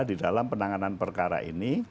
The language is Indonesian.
di dalam penanganan perkara ini